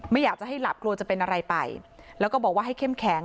ไม่อยากจะให้หลับกลัวจะเป็นอะไรไปแล้วก็บอกว่าให้เข้มแข็ง